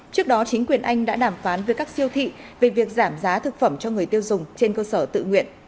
trước đó chính quyền anh đã đàm phán với các siêu thị về việc giảm giá thực phẩm cho người tiêu dùng trên cơ sở tự nguyện